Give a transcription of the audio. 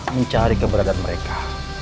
mencari keberadaan mereka